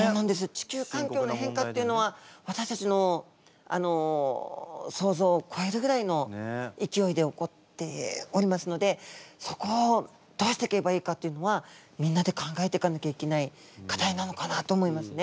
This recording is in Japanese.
地球環境の変化っていうのはわたしたちの想像をこえるぐらいのいきおいで起こっておりますのでそこをどうしていけばいいかっていうのはみんなで考えていかなきゃいけない課題なのかなと思いますね。